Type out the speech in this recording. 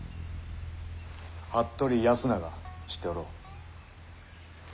服部保長知っておろう？